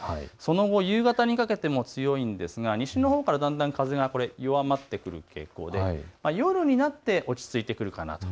その後、夕方にかけても強いんですが西のほうからだんだん風が弱まってくる傾向で夜になって落ち着いてくるかなと。